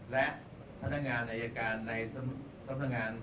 และพนักงานอายการในสำนักงาน